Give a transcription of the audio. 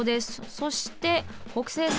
そして北勢線！